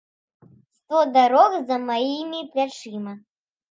Сто дарог за маімі плячыма.